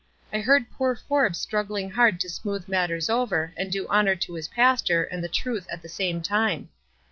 I heard poor Forbes struggling hard to smooth matters over, and do honor to his pastor and the truth at the same time.